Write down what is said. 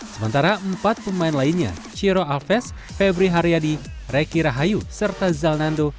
sementara empat pemain lainnya ciro alves febri haryadi reki rahayu serta zal nando